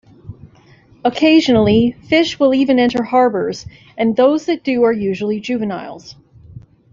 Occasionally, fish will even enter harbors, and those that do are usually juveniles.